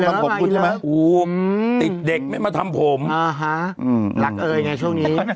หนูลาปุ๊ว